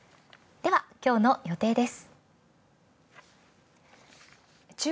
ではきょうの予定です。